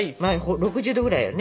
６０℃ぐらいよね？